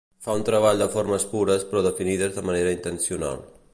Fa un treball de formes pures però definides de manera intencional.